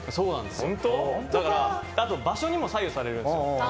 あと場所にも左右されるんですよ。